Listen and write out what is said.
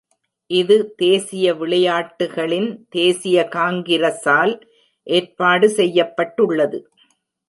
இது, தேசிய விளையாட்டுகளின் தேசிய காங்கிரஸால் ஏற்பாடு செய்யப்பட்டுள்ளது.